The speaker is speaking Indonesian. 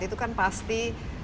itu kan pasti